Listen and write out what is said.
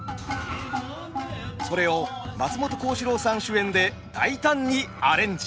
それを松本幸四郎さん主演で大胆にアレンジ。